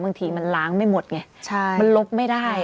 บางทีมันล้างไม่หมดไงมันลบไม่ได้